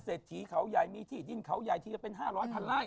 เศรษฐีเขาใหญ่มีที่ดินเขาใหญ่ทีละเป็น๕๐๐พันไล่